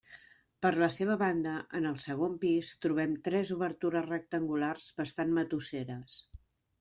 Per la seva banda en el segon pis trobem tres obertures rectangulars bastant matusseres.